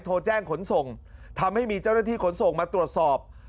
โทรแจ้งขนส่งทำให้มีเจ้าหน้าที่ขนส่งมาตรวจสอบ